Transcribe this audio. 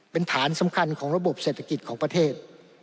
เป็นฐานสำคัญของระบบเศรษฐกิจของประเทศ